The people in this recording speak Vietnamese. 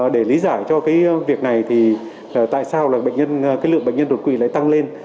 để lý giải cho việc này tại sao lượng bệnh nhân đột quỵ lại tăng lên